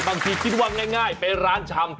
บางทีคิดว่าง่ายไปร้านชำ